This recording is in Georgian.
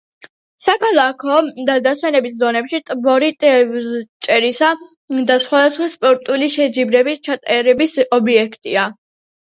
საქალაქო და დასვენების ზონებში ტბორი თევზჭერისა და სხვადასხვა სპორტული შეჯიბრებების ჩატარების ობიექტია.